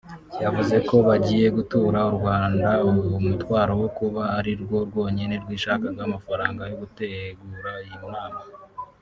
yavuze ko bagiye gutura u Rwanda umutwaro wo kuba ari rwo rwonyine rwishakagaho amafaranga yo gutegura iyi nama